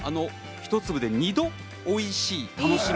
１粒で二度おいしい。